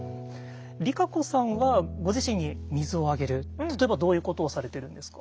ＲＩＫＡＣＯさんはご自身に水をあげる例えばどういうことをされているんですか？